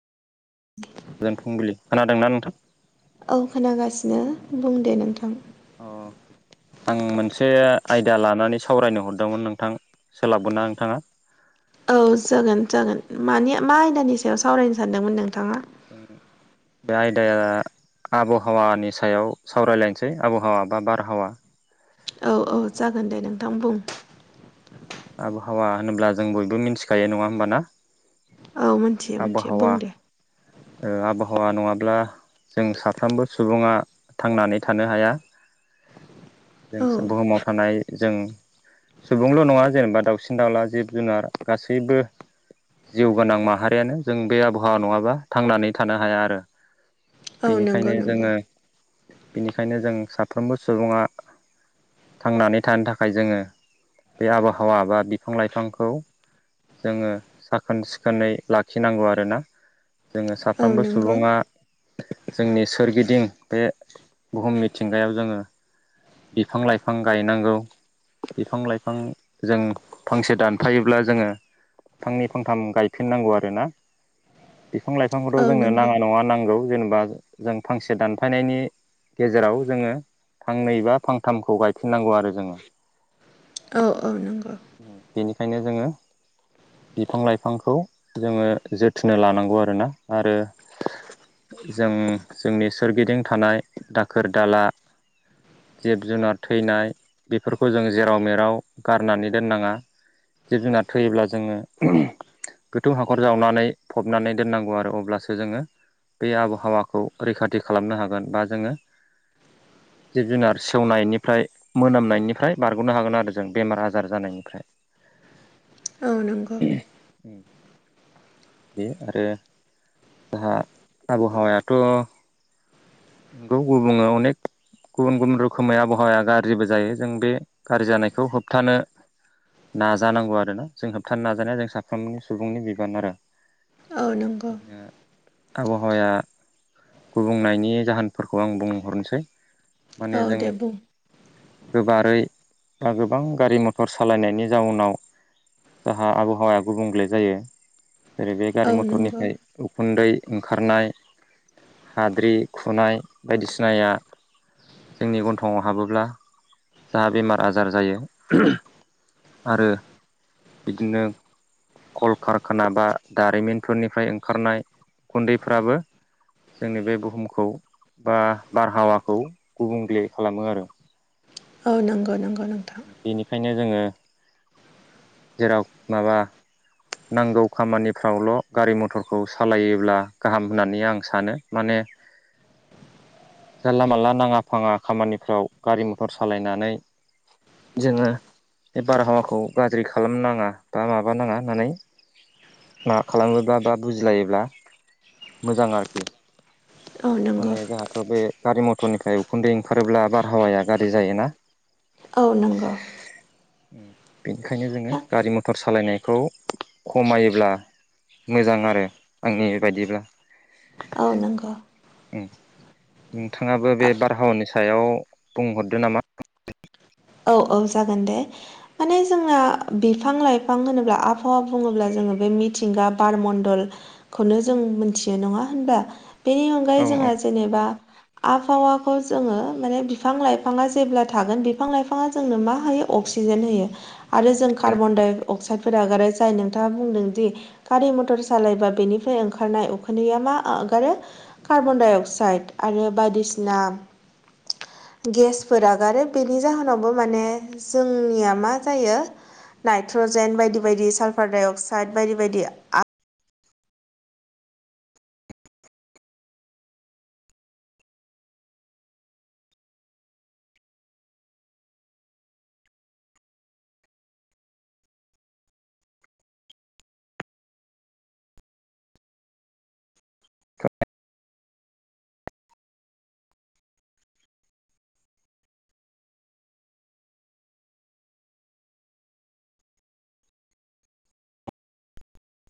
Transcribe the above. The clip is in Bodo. गोजोन फुंबिलि खोनादोंना नोंथां? औ खोनागासिनो बुं दे नोंथां। औ। आं मोनसे आयदा लानानै सावरायनो हरदोंमोन नोंथां सोलाबगोन ना नोंथाङा? औ जागोन जागोन मानि मा आयदानि सायाव सावरायनो सानदोंमोन नोंथाङा? बेमफ्राय बे आयदाया आबहावानि सायाव सावरायलायनोसै आबहावा बा बारहावा। औ औ जागोन दे नोंथां बुं। आबहावा होनोब्ला जों बयबो मिथिखायो नङा होमबाना? औ मोन। आबहावा ओ आबहावा नङाब्ला जों साफ्रोमबो सुबुङा थांनानै थानो हाया। जों औ बुहुमाव थानाय जों सुबुंल' नङा जेनेबा दाउसिन दाउला जिब जुनार गासैबो जिउ गोनां माहारियानो जों बे आबहावा नङाबा थांनानै थानो हाया आरो। औ नंगौ बेनिखायनो नंगौ जोङो बिनिखायनो जों साफ्रोमबो सुबुङा थांनानै थानो थाखाय जोङो बे आबहावा बा बिफां लाइफांखौ जोङो साखोन सिखोनै लाखिनांगौ आरोना जोङो औ साफ्रोमबो नंगौ सुबुङा जोंनि सोरगिदिं बे बुहुम मिथिंगायाव जोङो बिफां लाइफां गायनांगौ। बिफां लाइफां जों फांसे दानफायोब्ला जोङो फांनै फंथाम गायफिननांगौ आरोना बिफां औ लाइफांखौथ' जोंनो नंगौ नाङा नङा नांगौ। जेनेबा जों फांसे दानफायनायनि गेजेराव जोङो थांनै बा फांथामखौ गायफिननांगौ आरो जोङो औ औ नंगौ। बेनिखायनो जोङो बिफां लाइफांखौ जोङो जोथोन लानांगौ आरोना आरो जों जोंनि सोरगिदिं थानाय दाखोर दाला जिब जुनार थैनाय बेफोरखौ जों जेराव मेराव गारनानै दोननाङा। जिब जुनार थैयोब्ला जोङो गोथौ हाखर जावनानै फबनानै दोननांगौ आरो अब्लासो जोङो बे आबहावाखौ रैखाथि खालामनो हागोन बा जोङो जिब जुनार सेवनायनिफ्राय मोनामनायनिफ्राय बारग'नो हागोन आरो जों बेमार आजार जानायनिफ्राय हों औ नंगौ बेयो आरो जोंहा आबहावायाथ' नंगौ गुबुङो अनेक गुबुन गुबुन रोखोमै आबहावाया गाज्रिबो जायो जों बे गाज्रि जानायखौ होबथानो नाजानांगौ आरो ना जों होबथानो नाजानाया जों साफ्रोमनि सुबुंनि बिबान आरो। औ नों जोंहा आबहावाया गुबुंनायनि जाहोनफोरखौ आं बुंहरनोसै। माने औ जों दे बुं गोबारै बा गोबां गारि मथर सालायनायनि जाउनाव जाहा आबहावाया गुबुंले जायो। जेरै बे औ गारि नंगौ मथरनिफ्राय उखुन्दै ओंखारनाय हाद्रि खुनाय बायदिसिनाया जोंनि गन्थंआव हाबोब्ला जा बेमार आजार जायो आरो बिदिनो कल कारखाना बा दारिमिनफोरनिफ्राय ओंखारनाय गुन्दैफ्राबो जोंनि बे बुहुमखौ बा बारहावाखौ गुबुंले खालामो आरो। औ नंगौ नंगौ नोंथां बेनिखायनो जोङो जेराव माबा नांगौ खामानि फ्रावल' गारि मथरखौ सालायोब्ला गाहाम होननानै आं सानो माने जानला मानला नाङा फाङा खामानिफ्राव गारि मथर सालायनानै जोङो बे बारहावाखौ गाज्रि खालाम नाङा बा माबानाङा होननानै मा खालामोब्ला बा बुजिलायोब्ला मोजां आरोखि। औ नंगौ माने जोंहाथ' बे गारि मथरनिफ्राय उखुन्दै ओंखारोब्ला बारहावाया गाज्रि जायोना।।। औ नंगौ बेनिखायनो जोङो गारि मथर सालायनायखौ खमायोब्ला मोजां आरो आंनि बायदिब्ला औ नंगौ नोंथाङाबो बे बारहावानि सायाव बुंहरदो नामा औ औ जागोन दे माने जोंना बिफां लाइफां होनोब्ला आबहावा बुङोब्ला जोङो बे मिथिंगा बारमण्डल खौनो जों मोनथियो नङा होनबा बेनि औ अनगायै औ जोंहा जेनेबा आबहावाखौ जोङो माने बिफां लाइफाङा जेब्ला थागोन बिफां लाइफाङा जोंनो मा होयो अक्सिजेन होयो आरो जों कार्बन डाइ अक्साइड फोर नागार जाय नोंथाङा बुंदोंदि गारि मथर सालायबा बेनिफ्राय ओंखारनाय उखन्दैया मा आ-गारो कार्बनडाइ अक्साइड आरो बायदिसिना गेसफोरा आगारो बेनि जाहोनावबो माने जोंनिया मा जायो नाइट्रजेन बायदि बायदि सालफार डाइ अक्साइद बायदि बायदि ख